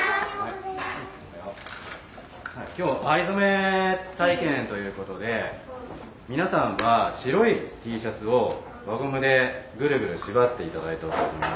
今日藍染め体験ということで皆さんは白いＴシャツを輪ゴムでぐるぐる縛って頂いたと思います。